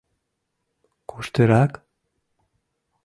Куштырак?